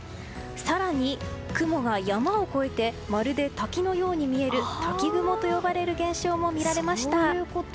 更に、雲が山を越えてまるで滝のように見える滝雲と呼ばれる現象も見られました。